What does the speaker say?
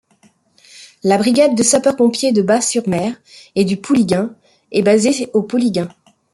La brigade de sapeurs-pompiers de Batz-sur-Mer et du Pouliguen est basée au Pouliguen.